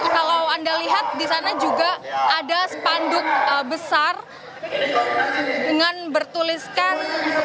kalau anda lihat di sana juga ada spanduk besar dengan bertuliskan